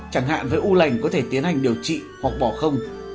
chẳng hạn với u lành có thể tiến hành điều trị hoặc bỏ không